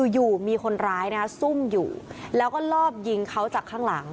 อยู่มีคนร้ายนะซุ่มอยู่แล้วก็ลอบยิงเขาจากข้างหลัง